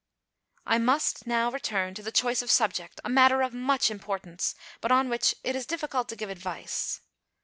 I must now return to the choice of subject, a matter of much importance, but on which it is difficult to give advice.